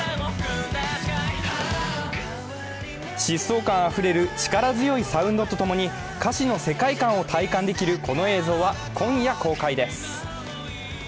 疾走感あふれる力強いサウンドと共に歌詞の世界観を体感できるこの映像は今夜、公開です。